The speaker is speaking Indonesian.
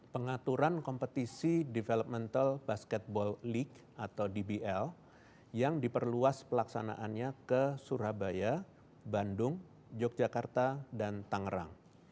pengaturan kompetisi developmental basketball league atau dbl yang diperluas pelaksanaannya ke surabaya bandung yogyakarta dan tangerang